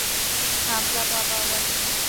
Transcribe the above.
حمزه بابا وايي.